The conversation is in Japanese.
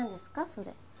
それ。